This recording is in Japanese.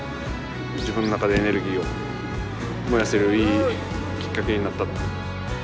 自分の中でエネルギーを燃やせるいいきっかけになった。